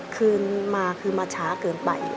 คือมาช้าเกินไป